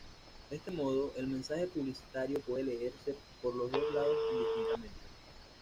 De este modo, el mensaje publicitario puede leerse por los dos lados indistintamente.